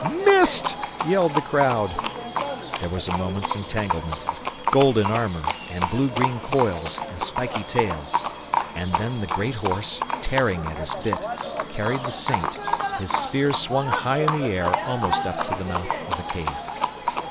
"Missed!" yelled the crowd. There was a moment's entanglement of golden armour and blue green coils, and spiky tail, and then the great horse, tearing at his bit, carried the Saint, his spear swung high in the air, almost up to the mouth of the cave.